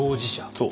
そう。